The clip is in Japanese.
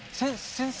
先生？